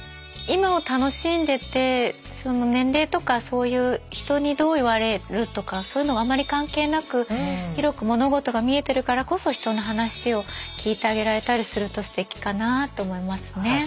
今を楽しんでて年齢とかそういう人にどう言われるとかそういうのがあんまり関係なく広く物事が見えてるからこそ人の話を聞いてあげられたりするとステキかなあと思いますね。